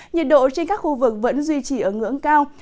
nhiệt độ trên các khu vực vẫn duy trì ở ngưỡng cao